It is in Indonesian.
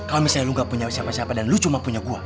kalau misalnya lu gak punya siapa siapa dan lu cuma punya gua